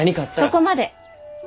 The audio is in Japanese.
そこまで！